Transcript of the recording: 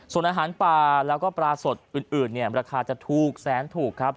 ส่วนอาหารปลาแล้วก็ปลาสดอื่นเนี่ยราคาจะถูกแสนถูกครับ